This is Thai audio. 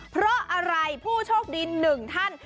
เพราะอะไรผู้โชคดีหนึ่งท่าน